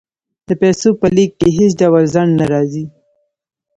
د پیسو په لیږد کې هیڅ ډول ځنډ نه راځي.